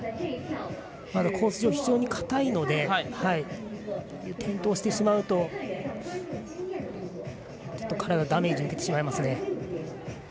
まだコース上が非常にかたいので転倒してしまうと体にダメージ受けてしまいますね。